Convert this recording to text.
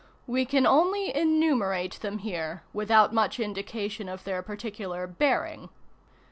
We can only enumerate them here, without much indication of their particular bearing.